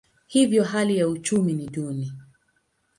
Hivyo hali ya uchumi ni duni.